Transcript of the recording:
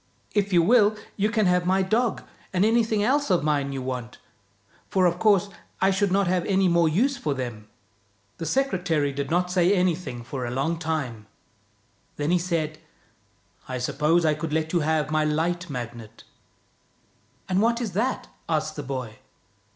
If you will, you can have my dog, and anything else of mine you want, for of 65 THE BOY WHO WENT OUT OF THE WORLD course I should not have any more use for them." The secretary did not say anything for a long time. Then he said: " I suppose I could let you have my Light Magnet." " And what is that? " asked the boy.